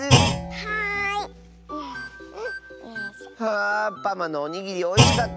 はあパマのおにぎりおいしかった！